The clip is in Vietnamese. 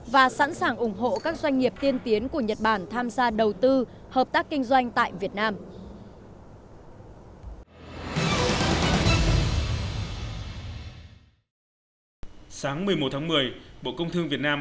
và sẵn sàng ủng hộ các doanh nghiệp tiên tiến của nhật bản tham gia đầu tư hợp tác kinh doanh tại việt nam